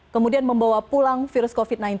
kemudian membawa pulang virus covid sembilan belas